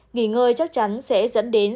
nghỉ ngơi chắc chắn sẽ dẫn đến